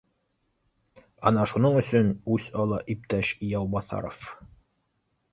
Ана шуның өсөн үс ала иптәш Яубаҫаров